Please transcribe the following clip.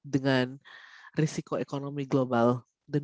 and regulators untuk menassati yang